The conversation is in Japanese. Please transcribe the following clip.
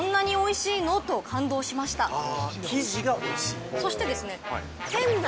生地がおいしいんだね。